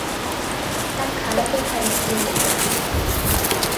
তার খালাতো ভাই চুয়েটে পড়ে।